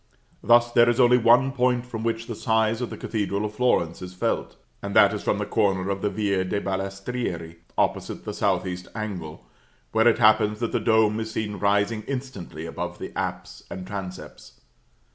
Thus there is only one point from which the size of the Cathedral of Florence is felt; and that is from the corner of the Via de' Balestrieri, opposite the south east angle, where it happens that the dome is seen rising instantly above the apse and transepts.